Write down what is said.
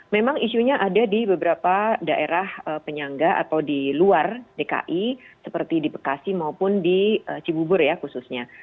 memang isunya ada di beberapa daerah penyangga atau di luar dki seperti di bekasi maupun di cibubur ya khususnya